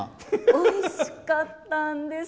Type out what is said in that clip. おいしかったんです！